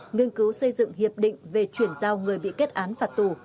nghiên cứu xây dựng hiệp định về chuyển giao người bị kết án phạt tù